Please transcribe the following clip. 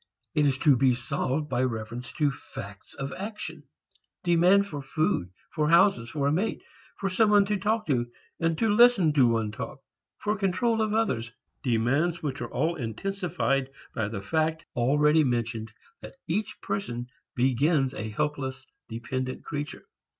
It is to be solved by reference to facts of action, demand for food, for houses, for a mate, for some one to talk to and to listen to one talk, for control of others, demands which are all intensified by the fact already mentioned that each person begins a helpless, dependent creature.